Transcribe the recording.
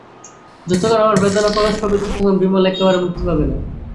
যতক্ষণ আমার বেদনা প্রকাশ পাবে ততক্ষণ বিমল একেবারে মুক্তি পাবে না।